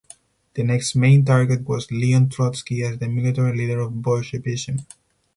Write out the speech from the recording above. The next main target was Leon Trotsky as the military leader of Bolshevism.